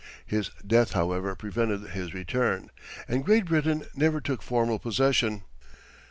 His death, however, prevented his return, and Great Britain never took formal possession.